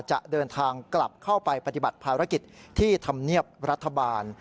จะเดินทางกลับเข้าไปปฏิบัติภารกิจที่ธรรมเนียบรัฐบาล